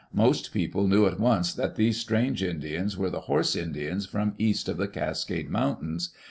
Most people knew at once that these strange Indians were the horse Indians from east of the Cascade Mountains.